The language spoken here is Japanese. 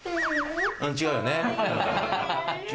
違うよね。